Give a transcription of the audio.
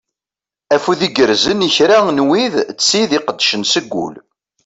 Afud igerzen i kra n wid d tid iqeddcen seg ul.